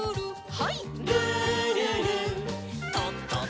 はい。